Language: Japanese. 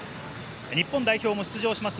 日本代表も出場します